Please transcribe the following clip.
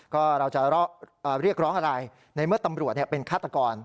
ก็เราจะเรียกร้องอะไรในเมื่อตำรวจเป็นฆาตกร